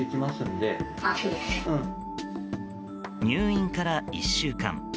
入院から１週間。